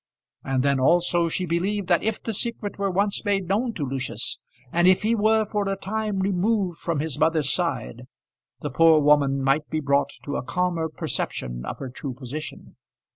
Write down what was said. And then also she believed that if the secret were once made known to Lucius, and if he were for a time removed from his mother's side, the poor woman might be brought to a calmer perception of her true position.